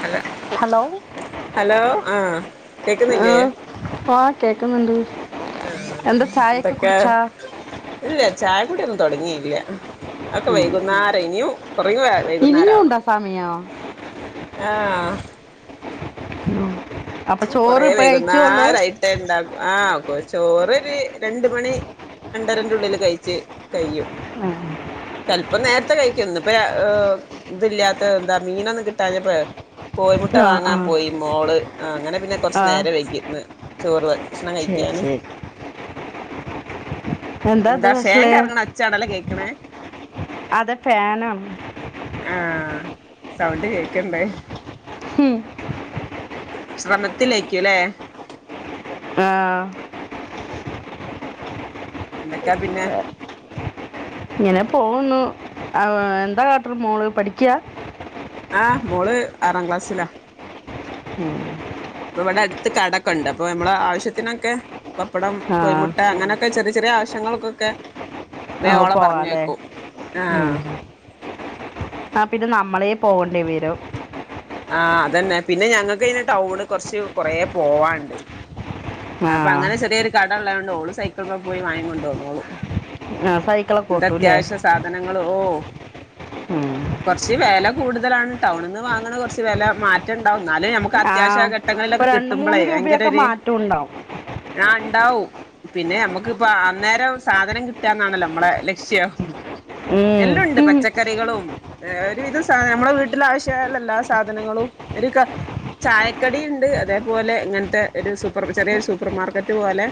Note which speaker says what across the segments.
Speaker 1: Hello
Speaker 2: hello
Speaker 1: hello ആഹ് കേക്കുന്നില്ലേ
Speaker 2: ആഹ് ആഹ് കേക്കുന്നുണ്ട്
Speaker 1: ആഹ്
Speaker 2: എന്താ ചായൊക്കെ
Speaker 1: എന്തൊക്കെ,
Speaker 2: കുടിച്ചാ
Speaker 1: ഇല്ല ചായ കൂടി തുടങ്ങിയില്ല അതൊക്കെ വൈകുന്നേരം ആ ഇനിയും കുറെയും വൈകുന്നേരം
Speaker 2: ഇനിയും
Speaker 1: ആവണം
Speaker 2: ഉണ്ടാ സമയോ
Speaker 1: ആഹ്
Speaker 2: ഉം
Speaker 1: കൊറെ വൈകും നാല് ആയിട്ടെ ഇണ്ടാ ആഹ് ചോറൊരു രണ്ട് മണി രണ്ടരന്റുള്ളിൽ കഴിച്ച് കഴിയും
Speaker 2: ആഹ്
Speaker 1: ചെലപ്പോ നേരത്തെ കഴിക്കുവാരുന്ന് ഇപ്പൊ ഓ ഇതില്ലാത്ത എന്താ മീനൊന്നും കിട്ടാഞ്ഞപ്പോഴേ കോയിമുട്ട
Speaker 2: ആഹ്
Speaker 1: വാങ്ങാം
Speaker 2: ആഹ്
Speaker 1: പോയി മോള് ആ അങ്ങനെ പിന്നെ കൊറച്ച്
Speaker 2: ആഹ്
Speaker 1: നേരം വൈകുന്ന് ചോറ് ഭക്ഷണം
Speaker 2: ശരി
Speaker 1: കഴിക്കാന്
Speaker 2: ശരി ഇത്
Speaker 1: എന്താ ഫേൻ
Speaker 2: സ്പെഷ്യല്
Speaker 1: കറങ്ങണ ഒച്ച ആണല്ലോ കേക്ക് എങ്ങനെ
Speaker 2: അതെ ഫാനാ
Speaker 1: ആഹ് സൗണ്ട് കേക്കണുണ്ട്
Speaker 2: ഹും
Speaker 1: ശ്രമത്തിലേക്ക്‌ ഇല്ലേ
Speaker 2: ആഹ്
Speaker 1: എന്തൊക്കെയാ പിന്നെ
Speaker 2: ഇങ്ങനെ പോകുന്നു ആ എന്താ കാട്ടരു മോള് പഠിക്കയാ
Speaker 1: ആഹ് മോള് ആറാം ക്ലാസ്സിലാ
Speaker 2: ഉം
Speaker 1: അപ്പ ഇവിടെ അടുത്ത് കടക്കെ യുണ്ട് അപ്പൊ നമ്മടെ ആവശ്യത്തിനൊക്കെ പപ്പടം,
Speaker 2: ആഹ്
Speaker 1: കോയിമുട്ട അങ്ങനെയൊക്കെ ചെറിയ ചെറി ഈ ചെറിയ ആവശ്യങ്ങൾക്കൊക്കെ വേ
Speaker 2: ആ
Speaker 1: ഓളെ
Speaker 2: പോവാല്ലേ
Speaker 1: പറഞ്ഞയക്കും
Speaker 2: ഉം
Speaker 1: ആഹ്
Speaker 2: ആ പിന്നെ നമ്മളെ പോകണ്ടി വെരും
Speaker 1: ആഹ് അതന്നെ പിന്നെ ഞങ്ങൾക്ക് ഇത് ടൗണ് കൊറച്ച് കൊറെ പോവാണ്ട് അപ്പൊ
Speaker 2: ആഹ്
Speaker 1: അങ്ങനെ ചെറിയൊരു കട ഉള്ള കൊണ്ട് ല്ല ഓള് സൈക്കിളുമെ പോയി വാങ്ങിക്കൊണ്ടു വന്നോളും
Speaker 2: ആഹ് സൈക്കിളൊക്കെ
Speaker 1: എന്ത്‌
Speaker 2: ഓട്ടൂല്ലേ
Speaker 1: അത്യാവശ്യ സാധനങ്ങള് ഓ
Speaker 2: ഉം
Speaker 1: കൊറച്ച് വേല കൂടുതലാണ് ടൗണിന്നു വാങ്ങുന്ന കുറച്ച് വെല മാറ്റണ്ടാവും എന്നാല് നമുക്ക്
Speaker 2: ആ
Speaker 1: അത്യാവശ്യ
Speaker 2: ഇപ്പൊ
Speaker 1: ഘട്ടങ്ങളിലൊക്കെ
Speaker 2: രണ്ട് മൂന്ന്
Speaker 1: കിട്ടുമ്പളേ
Speaker 2: രൂപയൊക്കെ
Speaker 1: ഭയങ്കരൊരു
Speaker 2: മാറ്റം ഉണ്ടാവും
Speaker 1: ആ ഉണ്ടാവും പിന്നെ നമ്മുക്ക് ഇപ്പം അന്നേരം സാധനം കിട്ടാന്നാണല്ലോ നമ്മടെ ലക്ഷ്യം
Speaker 2: ഉം
Speaker 1: ഏല്ലുണ്ട്
Speaker 2: ഉം.
Speaker 1: പച്ചക്കറികളും ഒരുവിധം നമ്മെ വീട്ടിൽ ആവശ്യമായല്ലാം സാധനങ്ങളും ഒരു ചായക്കടി ഉണ്ട് അതേപോലെ ഇങ്ങനത്തെ ഒരു സൂപ്പർ ചെറിയൊരു സൂപ്പർമാർക്കറ്റ് പോലെ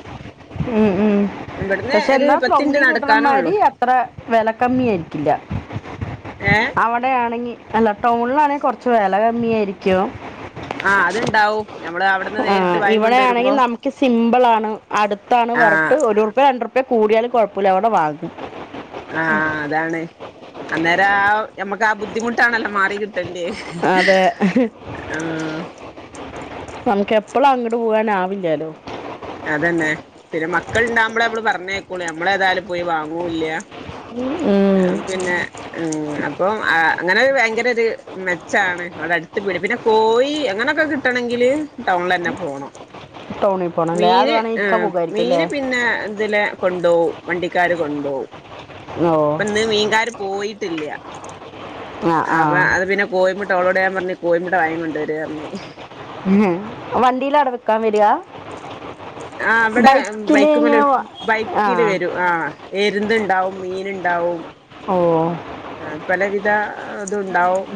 Speaker 2: ഉം ഉം
Speaker 1: ഇവിടുന്ന്
Speaker 2: പക്ഷെ
Speaker 1: ഒരു
Speaker 2: എന്നാ
Speaker 1: പത്ത് മിനിറ്റ്
Speaker 2: ടൗണി കിട്ടന്ന
Speaker 1: നടക്കാനേ ഉള്ളൂ
Speaker 2: മാരി അത്ര വില കമ്മി ആയിരിക്കില്ല
Speaker 1: ഏ
Speaker 2: അവിടെയാണ് അല്ല ടൗണിലാണെങ്കി കൊറച്ച് വില കമ്മി ആയിരിക്കും
Speaker 1: ആ അത്ണ്ടാവും
Speaker 2: ആ ഇവിടെയാണെങ്കിൽ നമുക്ക് സിമ്പിൾ ആണ് അടുത്താണ്
Speaker 1: ആ
Speaker 2: വരട്ട് ഒര്റുപ്പ രണ്ടറു ഇപ്പ കൂടിയാലും കുഴപ്പമില്ല അവിടെ വാങ്ങും
Speaker 1: ആ അതാണ് അന്നേരം ആ നമ്മുക്ക് ആ ബുദ്ധിമുട്ടാണല്ലോ മാറി കിട്ട
Speaker 2: അതെ
Speaker 1: ആ
Speaker 2: ഇപ്പോളും അങ്ങോട് പോകാനാവില്ലാലോ
Speaker 1: അതന്നെ പിന്നെ മക്കൾ ഉണ്ടക്കുബോളെ നമ്മള് പറഞ്ഞേക്കളൂ നമ്മള് ഏതായാലും പോയി വാങ്ങൂല്ല
Speaker 2: ഉം
Speaker 1: പിന്നെ ഉം അപ്പൊ അങ്ങനെ ഭയങ്കര ഒരു മെച്ചാണ് അവിടെ അടുത്ത് പീട് പിന്നെ കോയി അങ്ങനെയൊക്കെ കിട്ടണെങ്കില് ടൗണില് തന്നെ പോണം
Speaker 2: ടൗണിൽ പോകണം അല്ലേ അത്
Speaker 1: മീന്
Speaker 2: വേണമെങ്കിൽ
Speaker 1: ആ
Speaker 2: ഇക്ക പോകുമായിരിക്കും അല്ലേ
Speaker 1: മീന് പിന്നെ ഇതിലെ കൊണ്ടോ വണ്ടിക്കാര് കൊണ്ടോ
Speaker 2: ഓ
Speaker 1: ഇപ്പൊ ഇന്ന് മീൻകാര് പോയി ട്ടില്ല
Speaker 2: ആ ആ
Speaker 1: അപ്പൊ അത് പിന്നെ കോയിമുട്ട ഓളോടെ ഞാൻ പറഞ്ഞ് കോയിമുട്ട വയി കൊണ്ട് വര് പറഞ്ഞ്
Speaker 2: ഉ വണ്ടിൽ അവിടെ വിക്കാൻ വരിയ
Speaker 1: ആ അവിടെ ബൈക്ക് മേല്
Speaker 2: വ- ആ
Speaker 1: ബൈക്കില് വരൂ ആ എരുത് ഉണ്ടാവും മീന്‌ണ്ടാവും
Speaker 2: ഓ
Speaker 1: പലവിധ ഇത്ണ്ടാവും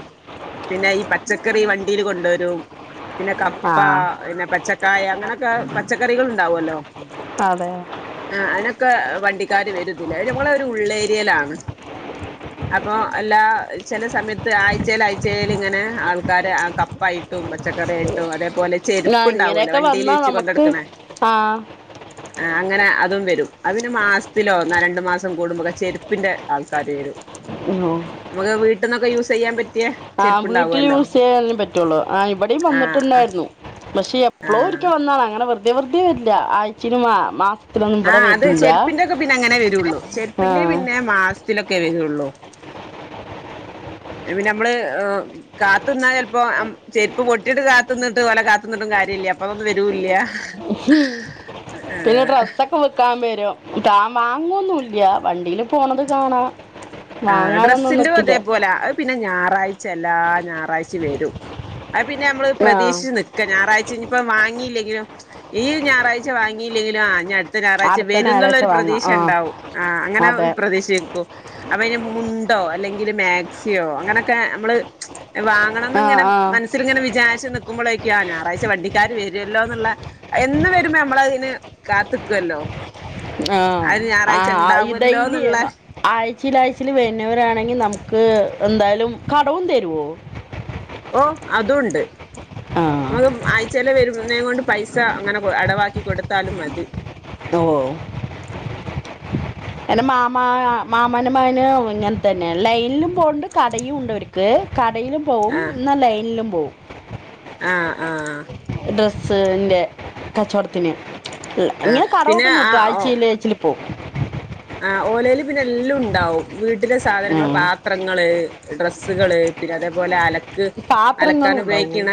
Speaker 1: പിന്നെ ഈ പച്ചക്കറി വണ്ടിയിൽ കൊണ്ടുവരും പിന്നെ
Speaker 2: ആ
Speaker 1: കപ്പ പിന്നെ പച്ച കായ അങ്ങനെയൊക്കെ പച്ചക്കറികൾ ഉണ്ടാവുമല്ലോ.
Speaker 2: അതെ
Speaker 1: ആ അതിനൊക്കെ വണ്ടി ക്കാര് വരുന്നില്ല ഞമ്മളെ ഒരു ഉള്ളേരിയിലാണ്. അപ്പൊ എല്ലാ ചില സമയത്ത് ആഴ്ചേൽ ആഴ്ചേൽ ഇങ്ങനെ ആൾക്കാര് ആ കപ്പയിട്ടും പച്ചക്കറി ആയിട്ടും അതേ
Speaker 2: ഇങ്ങനെയൊക്കെ വന്നാ നമുക്ക്
Speaker 1: കൊണ്ടെടുക്കണേ
Speaker 2: ആഹ്.
Speaker 1: അങ്ങനെ അതും വരും അത് മാസത്തിലോ ഒന്നൊ രണ്ട് മാസം കൂടുമ്പോക്കെ ചെരുപ്പിന്റെ ആൾക്കാര് വരും.
Speaker 2: ഓ
Speaker 1: ട്ടന്നൊക്കെ യൂസെയ്യാൻ പറ്റ
Speaker 2: ആഹ് വീട്ടില് യൂസ് ചെയ്യാനേ പറ്റുള്ളൂ ആ ഇവിടെയും
Speaker 1: ആഹ് ആഹ്
Speaker 2: വന്നിട്ടുണ്ടായിരുന്നു പക്ഷെ എപ്പോഴും ഒരിക്ക
Speaker 1: ആഹ്
Speaker 2: വന്നാണ് അങ്ങനെ വെ നിവൃത്തിയുല്ല ആഴ്ച്ചിലും മാസ
Speaker 1: ആഹ് അത് ചെരുപ്പിന്റൊക്കെ പിന്നെ അങ്ങനെ വരുള്ളൂ
Speaker 2: ആ.
Speaker 1: ചെരുപ്പിന്റെ പിന്നെ മാസത്തിലൊക്കെ ക്കെ വരുള്ളു. നമ്മള് കാത്ത്ന്നാ ചെൽപ്പോ ചെരുപ്പ് പൊട്ടിട്ട് കാത്ത്ന്നിട്ട് ഓലെ കാത്ത്ന്നിട്ടും കാര്യല്ല അപ്പൊ അതൊന്നും വരൂല്ല.
Speaker 2: പിന്നെ
Speaker 1: ഏഹ്
Speaker 2: ഡ്രസ്സൊക്കെ വിക്കാൻ വരും. താൻ വാങ്ങൊന്നുല്ല വണ്ടിയില് പോണത് കാണാ
Speaker 1: ആ ഡ്രസ്സിന്റെതും അതേ പോല പിന്നെ ഞായറാഴ്ചല്ലാ ഞായറാഴ്ച്ചിം വരും. അത് പിന്നെ ഞമ്മള്
Speaker 2: ആ
Speaker 1: പ്രതീക്ഷിച്ച് നിക്ക ഞായറാഴ്ച. ഇപ്പം വാങ്ങിയില്ലെങ്കിലും ഈ ഞായറാഴ്ച വാങ്ങിയില്ലെങ്കിലും ആ ഇനി അടുത്ത ഞായറാഴ്ച
Speaker 2: അടുത്ത
Speaker 1: വരുംന്ന്ള്ള
Speaker 2: ഞായറാഴ്ച
Speaker 1: ഒരു
Speaker 2: വാങ്ങാം ആ
Speaker 1: പ്രതീക്ഷണ്ടാവും ആ അങ്ങനെ
Speaker 2: അതെ
Speaker 1: പ്രതീക്ഷിച്ചിർക്കും. അപ്പൊ അയ്ന് മുണ്ടോ അല്ലെങ്കില് മാക്സിയോ അങ്ങനൊക്കെ നമ്മള് വാങ്ങണംന്ന്
Speaker 2: ആ
Speaker 1: ഇങ്ങനെ
Speaker 2: ആ
Speaker 1: മനസ്സിൽ ഇങ്ങനെ വിചാരിച്ച് നി നിക്കുമ്പളേക്കാ ഞായറാഴ്ച വണ്ടിക്കാര് വരുല്ലോന്നുള്ള എന്നും വരുമ്പോ നമ്മളതിന് കാത്ത്ക്കല്ലോ.
Speaker 2: ആഹ് ആ ഇ ഡയ്ലി
Speaker 1: എന്നുള്ള
Speaker 2: ആഴ് ചില ആഴ്ചേല് വരുന്നവരാണെങ്കിൽ നമുക്ക് എന്തായാലും കടവും തരുമോ
Speaker 1: ഓ അതുംണ്ട്.
Speaker 2: ആ
Speaker 1: ന ആഴചല്ലാം വരു ന്നേ കൊണ്ട് പൈസ അങ്ങനെ അടവാക്കി കൊടുത്താലും മതി.
Speaker 2: ഓ എന്റെ മാമാ മാമാന്റെ മകന് ഇങ്ങൻത്തന്നെ ലൈനിലും പോക്ണ്ട് കടയും ഉണ്ട് അവർക്ക് ക കടയിലും പോവും
Speaker 1: ആഹ്
Speaker 2: എന്നാ ലൈനിലും പോവും.
Speaker 1: ആഹ് ആഹ്.
Speaker 2: ഡ്രസ്സിൻ്റെ കച്ചവടത്തിന്. ല്ല
Speaker 1: ആഹ്
Speaker 2: ഇങ്ങനെ
Speaker 1: പിന്നെ
Speaker 2: കടവൊക്കെ നിർത്തു ആഴ്ചയില് ആച്ചില് പോവും.
Speaker 1: ആ ഓലേല് പിന്നെ എല്ലാംണ്ടാവും വീട്ട ട്ടിലെ
Speaker 2: ആ.
Speaker 1: സാധനങ്ങൾ പാത്രങ്ങള് ഡ്രസ്സുകള് പിന്നെ അതേപോലെ അല ക്ക് അലക്കാൻ
Speaker 2: പാത്രങ്ങളും ഉണ്ടാവും
Speaker 1: ഉപയോഗിക്ക്ണ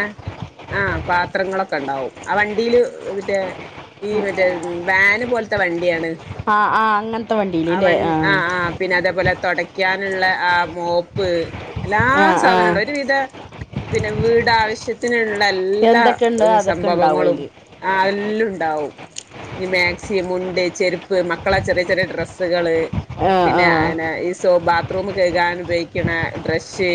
Speaker 1: ആഹ് പാത്രങ്ങളൊക്കെണ്ടാവും ആ വണ്ടിയില് മറ്റേ ഈ മറ്റേ വാന് പോലത്തെ വണ്ടിയാണ്
Speaker 2: ആഹ് ആഹ് അങ്ങനത്തെ വണ്ടിയില് ല്ലേ ആ
Speaker 1: തുടയ്ക്കാനുള്ള ആ മോപ്പ് എല്ലാം
Speaker 2: ആഹ് ആഹ്
Speaker 1: സാധനണ്ട് ഒര് വിധ പിന്നെ വീട് ആവശ്യത്ത്ന്ൾ ള്ളെല്ലാ
Speaker 2: എന്തൊക്കെയുണ്ട് അതൊക്കെ ഉണ്ടാവും
Speaker 1: സംഭവങ്ങളും
Speaker 2: അയില്
Speaker 1: ആഹ് എല്ലുംണ്ടാവും ഇ മാക്സി മുണ്ട് ചെരുപ്പ് മക്കളെ ചെറ്യ ചെറിയ ഡ്രസ്സുകള്
Speaker 2: ആഹ്
Speaker 1: പിന്നെ
Speaker 2: ആഹ്
Speaker 1: അന ഈ സോ ബാ ത്രൂമ് കയ്കാൻ ഉപയ്ക്ക്ണെ ബ്രഷ്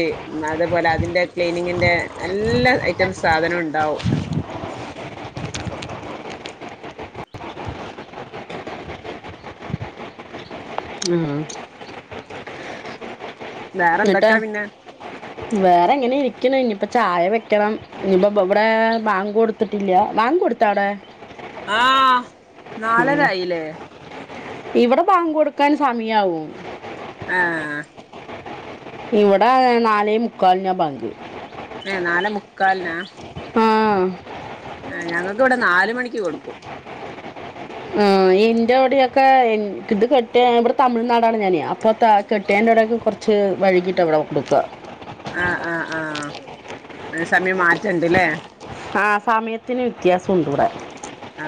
Speaker 1: അത്പോലെ അതിൻ്റെ ക്ലീനിങ്ങിന്റെ എല്ലാ ഐറ്റംസ് സാധനുണ്ടാവും
Speaker 2: ഉം
Speaker 1: വേറെ
Speaker 2: ന്ന്ട്ട്
Speaker 1: എന്തൊക്കാ പിന്നെ
Speaker 2: വേറെ ങ്ങനെ ഇ രിക്ക്ണ് ഇനിയിപ്പം ചായ വെക്കണം ഇനിയിപ്പോ ബ ബ്ടേ ബാങ്കൊട്ത്തിട്ടില്ല്യാ ബാങ്കൊട്ത്താ അവ്ടെ
Speaker 1: ആ നാലരായില്ലേ
Speaker 2: ഇവ്ടെ ബാങ്കാെട്ക്കാന് സമയാവും
Speaker 1: ആഹ്
Speaker 2: ഇവിടെ നാലേ മുക്കാലിനാ ബാങ്ക്
Speaker 1: ഏഹ് നാലെ മുക്കാൽനാ
Speaker 2: ആ
Speaker 1: ഏഹ് ഞങ്ങക്ക് ഇവ്ടെ നാല് മണിക്ക് കൊട്ക്കും
Speaker 2: ആ ന്റെ വിടെൊക്കെ ഇത് കെട്ടിയ ഇവിടെ തമിഴ്നാടാണ് ഞാൻ അപ്പൊ കെട്ടിയോന്റെ അവിടെയൊക്കെ കുറച്ച് വഴുകിട്ടണ് ബാങ്ക് കൊടുക്കുക
Speaker 1: ആഹ് ആഹ് ആഹ് ഏഹ് സമയം മാറ്റണ്ട്ലേ
Speaker 2: ആഹ് സമയത്തിന് വ്യത്യാസം ഉണ്ടിവിടെ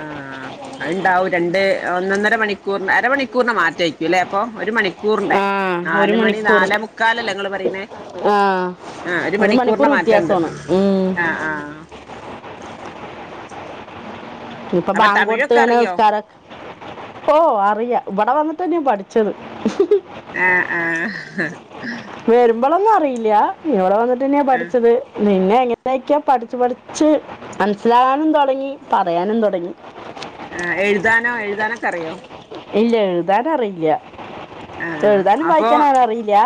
Speaker 1: ആഹ് അത്ണ്ടാവും രണ്ട് ഒന്നൊന്നര മണിക്കൂറി അരമണിക്കൂറിന് മാറ്റാക്കൂല്ലേ അപ്പൊ ഒരു മണിക്കൂർ റിന്റെറെ
Speaker 2: ആഹ് ഒരു
Speaker 1: നാലുമണി
Speaker 2: മണിക്കൂർ
Speaker 1: നാല മുക്കാലല്ലേ ങ്ങ പറയുന്നേ
Speaker 2: ആ
Speaker 1: ആഹ് ഒരു മണിക്കൂറിന്റ
Speaker 2: മണിക്കൂർ
Speaker 1: മാറ്റണ്ട്
Speaker 2: വ്യത്യാസമാണ് ഉം.
Speaker 1: ആഹ് ആഹ്
Speaker 2: ഇപ്പൊ
Speaker 1: അപ്പൊ തമിഴൊക്കെ
Speaker 2: ബാങ്കൊടുത്താണ
Speaker 1: അറിയോ
Speaker 2: നിസ്കാര ഓഹ് അറിയാ ഇവിടെ വന്നിട്ട്ന്നെയ പഠിച്ചത്
Speaker 1: ആഹ് ആഹ്
Speaker 2: ളൊന്നും അറിയില്ല ഇവിടെ വന്നട്ട ന്നയാ
Speaker 1: ആഹ്
Speaker 2: പഠിച്ചത് നിന്നെ ങ്ങനെക്കൊയോ പഠിച്ചു പഠിച്ച് മനസ്സിലാകാനും തുടങ്ങി പറയാനും തുടങ്ങി
Speaker 1: ആഹ് എഴുതാനോ എഴുതാനോക്കെ അറിയോ
Speaker 2: ഇല്ല എഴുതാനറിയില്ല
Speaker 1: ആഹ്
Speaker 2: എഴുതാനും
Speaker 1: അപ്പൊ
Speaker 2: വായിക്കാനും അങനെ അറിയില്ല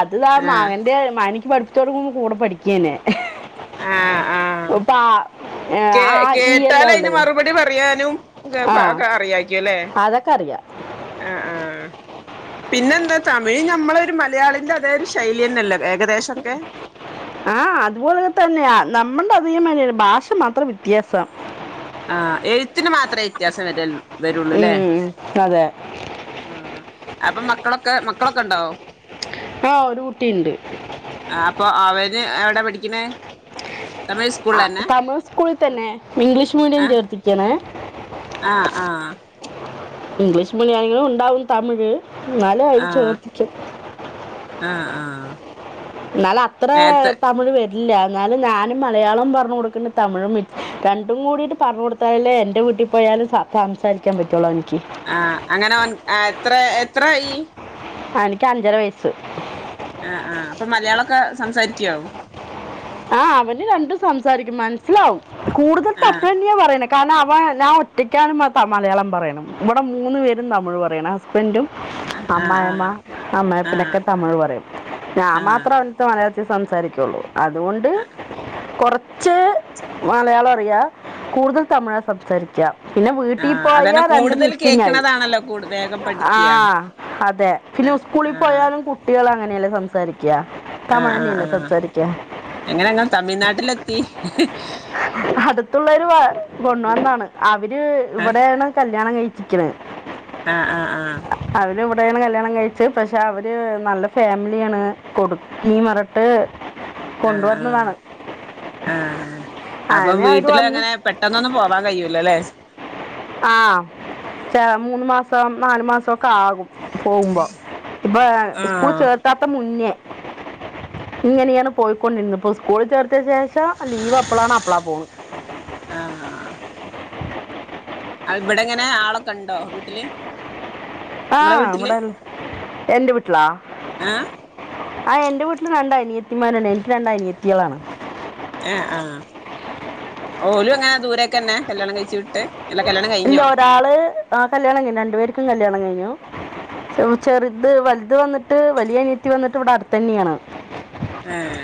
Speaker 2: അത്
Speaker 1: ആഹ്
Speaker 2: മകന്റെ മനിക്ക് പഠിപ്പ ച്ചൊടുങ്ങുമ്പോ കൂടെ പഠിക്കാനെ
Speaker 1: ആ ആ
Speaker 2: ഇപ്പ
Speaker 1: കേ കേട്ടാല് അതിന് മറുപടി പറയാനും
Speaker 2: ആ
Speaker 1: അറിയാരിക്കുല്ലേ
Speaker 2: അതൊക്കെ അറിയാം
Speaker 1: ആഹ് ആഹ് പിന്നെ എന്താ തമിഴ് നമ്മളെ ഒരു മലയാളിന്റെ അതേ ഒരു ശൈലി തന്നെല്ലേ
Speaker 2: ആഹ് അതുപോല തന്നെയാ നമ്മൾടെ അതേമാതിയാണ് ഭാഷ മാത്രം വ്യത്യാസം
Speaker 1: ആ എഴുത്തിന് മാത്രമേ വ്യത്യാസം വരുള്ളു വരുള്ളൂല്ലേ
Speaker 2: ഉം, അതെ
Speaker 1: ആ അപ്പൊ മക്കളൊക്കെ മ ക്കളൊക്കുണ്ടോ
Speaker 2: ആ ഒരു കുട്ടീണ്ട്
Speaker 1: ആ അപ്പൊ അവന് എവിടാ പഠിക്കണേ തമിഴ്
Speaker 2: ആ
Speaker 1: സ്കൂളിൽ തന്നെ
Speaker 2: തമിഴ്‌ സ്കൂളിൽ തന്നെ ഇംഗ്ലീഷ് മീഡിയം
Speaker 1: ആ
Speaker 2: ചേർത്തിക്കേണ്
Speaker 1: ആ ആ
Speaker 2: ഇംഗ്ലീഷ് മീഡിയണെങ്കിലും ഉണ്ടാവും തമിഴ് ന്നാലും ആയില്
Speaker 1: ആ
Speaker 2: ചേർത്തിക്കൊ
Speaker 1: ആ ആ
Speaker 2: എന്നാലും അത്ര
Speaker 1: നേരത്തെ
Speaker 2: തമിഴ് വരി ല്ല എന്നാലും ഞാനും മലയാളം പറഞ്ഞു കൊടുക്കുന്നുണ്ട് തമിഴും മി രണ്ടും കൂടിയിട്ട് പറഞ്ഞു കൊടുത്താലേ എൻ്റെ വീട്ടിൽ പോയാലും സംസാരിക്കാൻ പറ്റുള്ളൂ അവനി
Speaker 1: ആ അങ്ങനെ ഓന് ആ എത്ര എത്രായി
Speaker 2: അവനിക്ക് അഞ്ചര വയസ്സ്
Speaker 1: ആ ആ അപ്പൊ മലയാളൊക്ക സംസാരിക്കൊ
Speaker 2: ആ അവന് രണ്ടും സംസാരിക്കും മനസ്സിലാവും കൂടുതൽ
Speaker 1: ആ
Speaker 2: തപ്പ് തന്നെയാ പറയണെ കാരണം അവൻ ഞാൻ ഒറ്റയ്ക്കാണ് മലയാളം പറയണ് ഇവിടെ മൂന്ന് പേരും തമിഴ് പറയണ് ഹസ്ബൻഡും
Speaker 1: ആഹ് ആഹ്
Speaker 2: അമ്മായഅമ്മ
Speaker 1: ആഹ്
Speaker 2: അമ്മായപ്പനൊക്കെ തമിഴ് പറയും ഞാൻ മാത്ര
Speaker 1: ആഹ്
Speaker 2: അവന്റെടുത്ത് മലയാളത്തി ൽ സംസാരിക്കുള്ളൂ അതുകൊണ്ട് കൊറ കുച്ച് മലയാളം അറിയാം കൂടുതൽ തമിഴ സംസാരിക്കാ പിന്നെ വീട്ടിൽ
Speaker 1: ആഹ്
Speaker 2: പോയാ
Speaker 1: അതന്നെ
Speaker 2: രണ്ട്
Speaker 1: കൂടുതൽ
Speaker 2: മിക്സിങ്ങായി
Speaker 1: കേൾക്കണതാണല്ലോ കൂടു വേഗം
Speaker 2: ആ
Speaker 1: പഠിക്ക്യ
Speaker 2: അതെ പിന്നെ
Speaker 1: ആഹ്
Speaker 2: സ്കൂളിൽ
Speaker 1: ആഹ്
Speaker 2: പോയാലും കുട്ടികൾ അങ്ങനെയല്ലേ സംസാരി ക്കാ
Speaker 1: ആഹ് ആഹ്
Speaker 2: തമിഴന്നല്ലേ
Speaker 1: ആഹ്
Speaker 2: സംസാരിക്ക
Speaker 1: എങ്ങനെ നിങ്ങ തമിഴ്നാട്ടിലെത്തി
Speaker 2: അടുത്തുള്ളോരു കൊണ്ടുവന്നാണ് അ അവര് ഇവിടെയാണ് ക കല്യാണം കഴിച്ചിക്കണത്
Speaker 1: ആ ആ ആ
Speaker 2: ഇവിടെയാണ് കല്യാണം കഴിച്ചു പക്ഷെ അവര് നല്ല ഫാമിലിയാണ് കൊടുക്കി മറട്ട്
Speaker 1: ആഹ് ആഹ്
Speaker 2: കൊണ്ടുവന്നതാണ്
Speaker 1: ആഹ് അപ്പം
Speaker 2: അങ്ങനെ അവര്
Speaker 1: വീട്ടില്
Speaker 2: വന്ന്
Speaker 1: അങ്ങനെ പെട്ടെന്നൊന്നും പോവാൻ കയൂല്ലോല്ലേ
Speaker 2: ആ ച മൂന്ന് മാസം നാാലു മാസൊക്കെ ആകും പോകുമ്പോ ഇപ്പൊ സ്കൂൾ
Speaker 1: ആഹ്
Speaker 2: ചേർത്താത്ത മുന്നേ ഇങ്ങനെയാണ് പോയിക്കൊണ്ടിരുന്നത്പ്പോ സ്കൂളിൽ ചേർത്തതിന് ശേഷം ലീവ് എപ്പളാണ് അപ്പളാ പോവുന്നത്
Speaker 1: ആഹ് ഇവിടെ എങ്ങനെ ആളൊക്കെ ഉണ്ടോ വീട്ടില് ഇങ്ങളെ
Speaker 2: ആഹ്
Speaker 1: വീട്ടില്
Speaker 2: ഇവിടുണ്ട് എന്റെ വീട്ടിലാ
Speaker 1: ആഹ്
Speaker 2: ആഹ എന്റെ വീട്ടില് രണ്ട് അനിയ ത്തിമാർ എനിക്ക് രണ്ട് അനിയത്തീകളാണ്
Speaker 1: ആ ആഹ് ഓലും എങ്ങനെ ദൂരൊക്കെ തന്നെ കല്യാണം കഴിച്ചു വിട്ട്
Speaker 2: ഇല്ല ഒരാള് ആ കല്യാണം കഴിഞ്ഞു രണ്ടു പേർക്കും കല്യാണം കഴിഞ്ഞു ചെറുത് വലുത് വന്നിട്ട് വലിയ അനീത്തി വന്നിട്ട് ഇവിടെ അടുത്തന്നെയാണ്
Speaker 1: ആഹ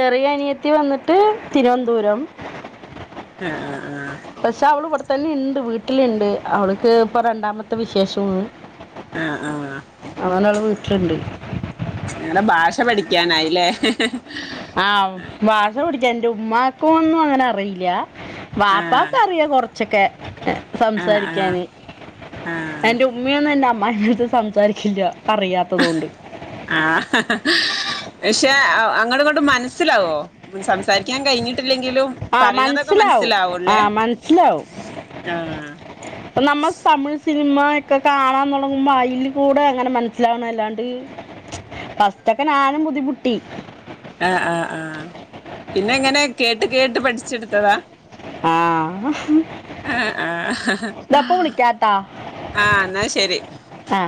Speaker 2: ചെറിയ അനിയത്തി വന്നിട്ട് തിരുവനന്തപുരം
Speaker 1: ആഹ് ആഹ് ആഹ്
Speaker 2: പക്ഷേ അവള് ഇവിടെത തന്നെയുണ്ട് വീട്ടിലുണ്ട് അവൾക്ക് ഇപ്പോൾ രണ്ടാമത്തെ വിശേഷം
Speaker 1: ആഹ ആഹ
Speaker 2: അവള് വീട്ടിലുണ്ട്
Speaker 1: ഞങ്ങടെ ഭാഷ പഠിക്ക ക്കാനായില്ലേ
Speaker 2: ആഹ് ഭാഷ പഠി എന്റെ ഉമ്മക്കൊന്നും അങ്ങനെ അറിയില്ല
Speaker 1: ആഹ്
Speaker 2: വാപ്പക്ക് അറിയാം കൊറച്ചൊക്കെ
Speaker 1: ആഹ് ആഹ്
Speaker 2: സംസാരിക്കാന്
Speaker 1: ആഹ്
Speaker 2: എന്റെ ഉമ്മിയാണ് എന്നെ അമ് മ്മിത് സംസാരിക്കില്ല അറിയാത്തതുകൊണ്ട്
Speaker 1: ആഹ പക്ഷെ അങ്ങട് കൊണ്ട് മനസ്സിലാവോ സംസാരിക്കാൻ കഴിഞ്ഞിട്ട്
Speaker 2: ആഹ മനസ്സിലാവും ആഹ മനസ്സിലാവും
Speaker 1: ആഹ്
Speaker 2: നമ്മൾ തമിഴ് സിന സിനിമ ഒക്കെ കാണാൻ തുടങ്ങുമ്പോ അതിൽ കൂടെ അങ്ങനെ മനസ്സിലാവണം അല്ലാണ്ട് ഫസ്റ്റ്ക്കെ ഞാനും ബുദ്ധിമുട്ടി
Speaker 1: ആഹ് ആഹ് ആഹ് പിന്നെ എങ്ങനെ കേട്ട് കേട്ട് പഠിച്ചെടുത്തതാ
Speaker 2: ആഹ
Speaker 1: ആഹ് ആഹ്
Speaker 2: ഇതപ്പ വിളികാട്ടാ
Speaker 1: ആഹ് എന്നാ ശരി
Speaker 2: ആഹ